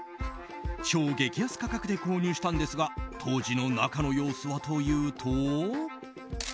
超激安価格で購入したんですが当時の中の様子はというと。